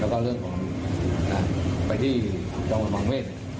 แล้วก็เรื่องของไปที่จังหวัดหนองเมฆ